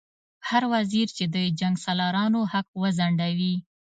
هر وزیر چې د جنګسالارانو حق وځنډوي.